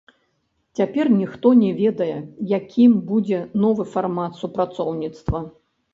Цяпер ніхто не ведае, якім будзе новы фармат супрацоўніцтва.